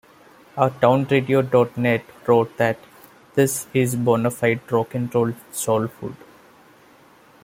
OurTownRadio dot net wrote that This is bona-fide rock n' roll soul food.